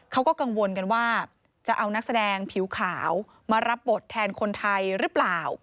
เขาก็กังวลกันว่าจะเอานักแสดงผิวขาวมารับบทแทนคนไทยหรือเปล่า